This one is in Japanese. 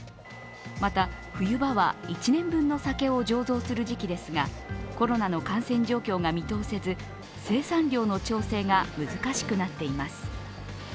また、冬場は１年分の酒を醸造する時期ですが、コロナの感染状況が見通せず生産量の調整が難しくなっています。